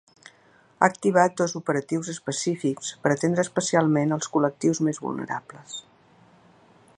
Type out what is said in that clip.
Ha activat dos operatius específics per atendre especialment els col·lectius més vulnerables.